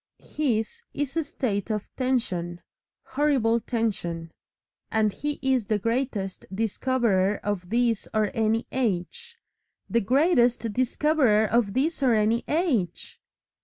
His is a state of tension horrible tension. And he is the Greatest Discoverer of This or Any Age the Greatest Discoverer of This or Any Age!